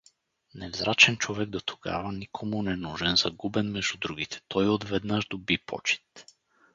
Невзрачен човек дотогава, никому ненужен, загубен между другите, той отведнаж доби почит.